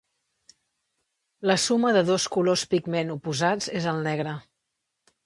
La suma de dos colors pigment oposats és el negre.